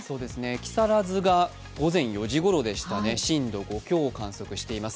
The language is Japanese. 木更津が午前４時ごろでしｔがね、震度５強を観測しています